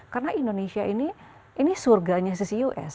karena indonesia ini ini surganya ccus